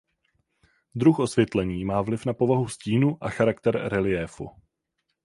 Druh osvětlení má vliv na povahu stínu a charakter reliéfu.